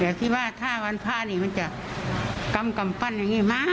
เดี๋ยวพี่พ่อท่าวันพระเนี่ยมันจะกำกำปั้นอย่างงี้